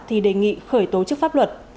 thì đề nghị khởi tố chức pháp luật